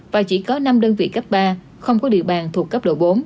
và chỉ có năm đơn vị cấp ba không có địa bàn thuộc cấp độ bốn